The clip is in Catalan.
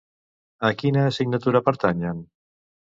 A quina assignatura pertanyen?